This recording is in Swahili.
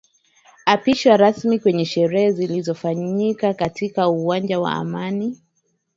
apishwa rasmi kwenye sherehe zilizofanyika katika uwanja wa amani